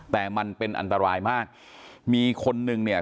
แต่มันเป็นอันตรายมากมีคนนึงเนี่ย